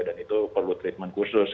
dan itu perlu treatment khusus